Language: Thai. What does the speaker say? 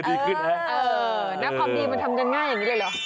ดีขึ้นนะเออนะความดีมันทำกันง่ายอย่างนี้เลยเหรอ